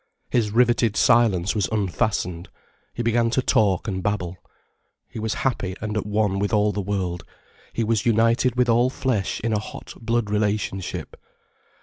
His riveted silence was unfastened, he began to talk and babble. He was happy and at one with all the world, he was united with all flesh in a hot blood relationship.